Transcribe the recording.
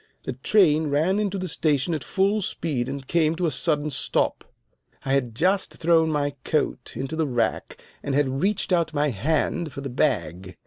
The train ran into the station at full speed and came to a sudden stop. I had just thrown my coat into the rack, and had reached out my hand for the bag.